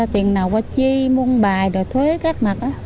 tiền nào qua chi mua một bài rồi thuế các mặt á